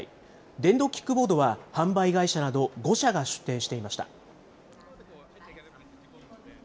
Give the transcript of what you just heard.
電動キックボードは、販売会社など５社が出展していました。